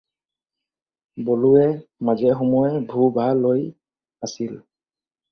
বলোৱে মাজে-সময়ে ভু-ভা লৈ আছিল।